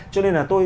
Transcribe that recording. cho nên là tôi